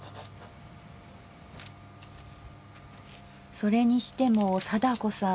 それにしても貞子さん